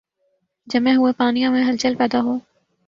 جمے ہوئے پانیوں میں ہلچل پیدا ہو۔